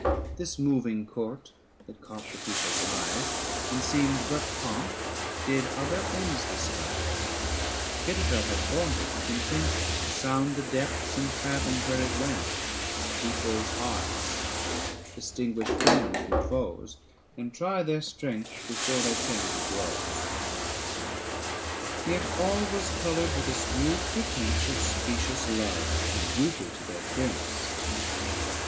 This moving court that caught the people's eyes, And seemed but pomp, did other ends disguise; 740 Achitophel had formed it, with intent To sound the depths and fathom, where it went, The people's hearts, distinguish friends from foes, 108 ABSALOM AND ACHITOPHEL. And try their strength before they came to blows. Yet all was coloured with a smooth pretence 745 Of specious love and duty to their prince.